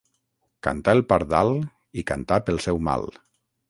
Cantà el pardal i cantà pel seu mal.